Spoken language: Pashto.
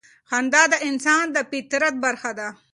خندا د انسان د فطرت برخه ده.